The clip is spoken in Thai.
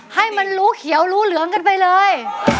ให้มันรู้เขียวรู้เหลืองกันไปเลย